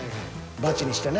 バチにしてね。